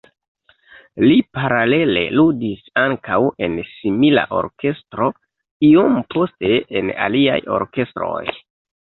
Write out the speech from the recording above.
Li paralele ludis ankaŭ en simila orkestro, iom poste en aliaj orkestroj.